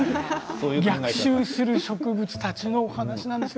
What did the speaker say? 逆襲する植物たちのお話です。